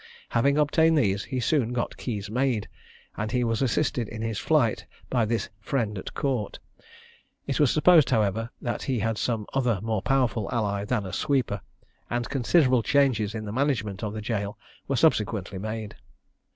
Having obtained these, he soon got keys made, and he was assisted in his flight by this "friend at court." It was supposed, however, that he had some other more powerful ally than a sweeper, and considerable changes in the management of the jail were subsequently made.